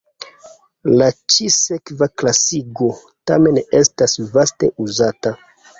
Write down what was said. La ĉi-sekva klasigo tamen estas vaste uzata.